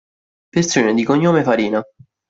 Persone di cognome Farina